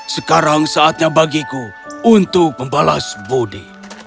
sekarang saatnya bagiku untuk membalas bodi